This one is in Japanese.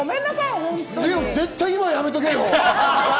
絶対、今やめとけよ！